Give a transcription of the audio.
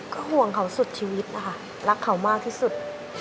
ก็ห่วงเขาสุดชีวิตนะคะรักเขามากที่สุด